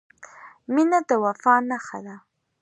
• مینه د وفا نښه ده.